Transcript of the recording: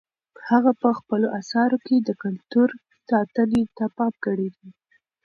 هغه په خپلو اثارو کې د کلتور ساتنې ته پام کړی و.